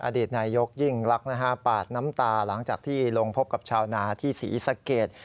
อดีตนายกยิ่งลักษณ์ปาดน้ำตาหลังจากที่ลงพบกับชาวนาที่ศรีสะเกด